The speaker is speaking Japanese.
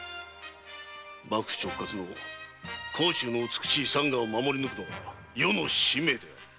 幕府直轄の甲州の美しい山河を守りぬくのは余の使命である！